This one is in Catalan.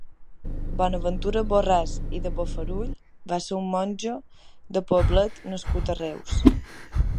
Bonaventura Borràs i de Bofarull va ser un monjo de Poblet nascut a Reus.